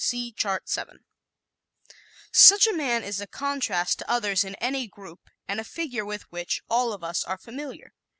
(See Chart 7) Such a man is a contrast to others in any group and a figure with which all of us are familiar.